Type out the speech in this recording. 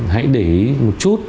hãy để một chút